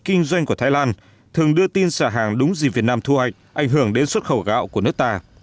kinh doanh của thái lan thường đưa tin xả hàng đúng dịp việt nam thu hoạch ảnh hưởng đến xuất khẩu gạo của nước ta